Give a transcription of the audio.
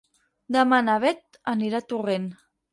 Demà na Bet anirà a Torrent.